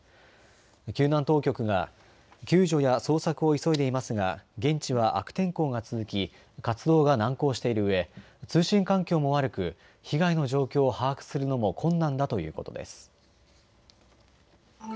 救難当局が救助や捜索を急いでいますが現地は悪天候が続き活動が難航しているうえ通信環境も悪く被害の状況を把握するのも困難だということです。